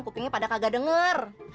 kupingnya pada kagak denger